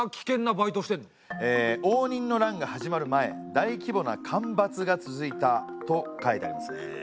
「応仁の乱が始まる前大規模な干ばつが続いた」と書いてありますね。